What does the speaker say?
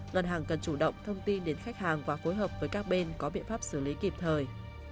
ngân hàng cần chủ động thông tin đến khách hàng và phối hợp với các bên có biện pháp xử lý kịp thời